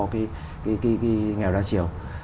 cái nghèo đa chiều